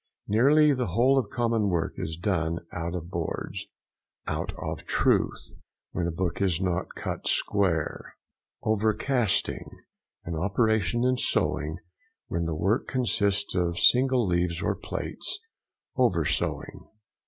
Nearly the whole of common work is done out of boards. OUT OF TRUTH.—When a book is not cut square. OVERCASTING.—An operation in sewing, when the work consists of single leaves or plates. Over sewing.